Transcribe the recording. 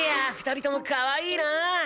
２人ともかわいいな。